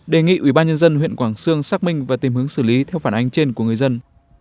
đề nghị ủy ban nhân dân huyện quảng xương xác minh và tìm hướng xử lý theo phản ánh trên của người dân